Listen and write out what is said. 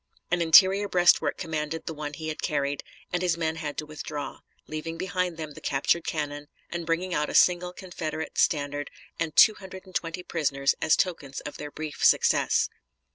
An interior breastwork commanded the one he had carried, and his men had to withdraw, leaving behind them the captured cannon, and bringing out a single Confederate standard and two hundred and twenty prisoners as tokens of their brief success.